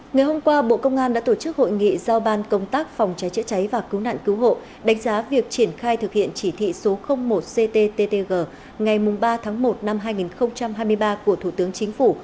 ngày hôm qua bộ công an đã tổ chức hội nghị giao ban công tác phòng cháy chữa cháy và cứu nạn cứu hộ đánh giá việc triển khai thực hiện chỉ thị số một cttg ngày ba tháng một năm hai nghìn hai mươi ba của thủ tướng chính phủ